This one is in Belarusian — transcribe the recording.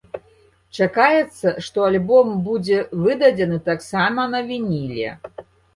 Чакаецца, што альбом будзе выдадзены таксама на вініле.